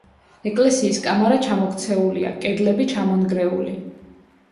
ეკლესიის კამარა ჩამოქცეულია, კედლები ჩამონგრეული.